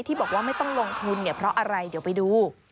ที่บอกว่าไม่ต้องลงทุนเนี่ยเพราะอะไรเดี๋ยวไปดู